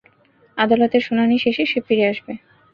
আদালতের শুনানি শেষে সে ফিরে আসবে।